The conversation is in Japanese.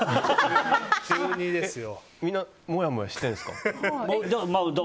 みんなもやもやしてるんですか？